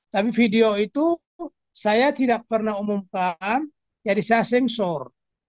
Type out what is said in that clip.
tapi video itu saya tidak pernah umumkan jadi saya sengsor